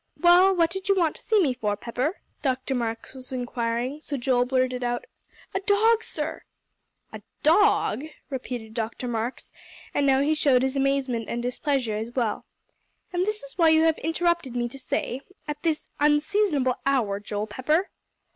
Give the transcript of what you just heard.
"Well, what did you want to see me for, Pepper?" Dr. Marks was inquiring, so Joel blurted out, "A dog, sir." "A dog?" repeated Dr. Marks, and now he showed his amazement and displeasure as well. "And is this what you have interrupted me to say, at this unseasonable hour, Joel Pepper?"